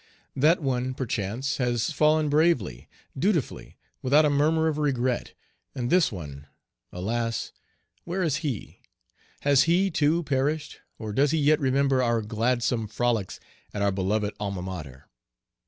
That one, perchance, has fallen bravely, dutifully, without a murmur of regret, and this one, alas! where is he? Has he, too, perished, or does he yet remember our gladsome frolics at our beloved Alma Mater.